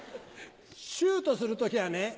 シュートする時はね